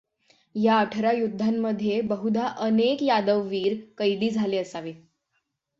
या अठरा युद्धांमध्ये, बहुधा, अनेक यादववीर कैदी झाले असावे.